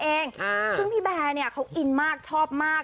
ซึ่งพี่แบร์เนี่ยเขาอินมากชอบมาก